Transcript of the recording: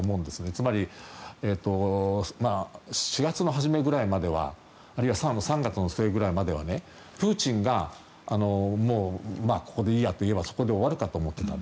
つまり、４月初めくらいまであるいは３月末くらいまではプーチンがここでいいやと言えばそこで終わるかと思っていた。